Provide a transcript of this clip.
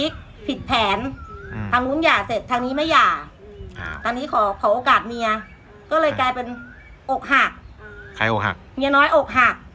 ใครโอกหัก